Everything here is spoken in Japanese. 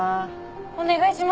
お願いします！